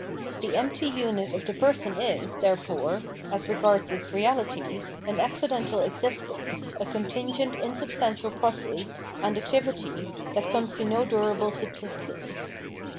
The empty unit of the person is, therefore, as regards its reahty, an accidental existence, a contingent insub stantial process and activity that comes to no durable VOL. II. — P 482 PJienomenology 0/ Mind subsistencs.